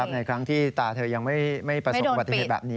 ในครั้งที่ตาเธอยังไม่ประสงค์ปฏิเสธแบบนี้